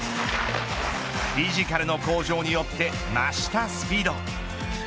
フィジカルの向上によって増したスピード。